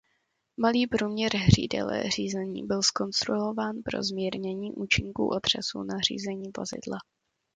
Malý průměr hřídele řízení byl zkonstruován pro zmírnění účinku otřesů na řízení vozidla.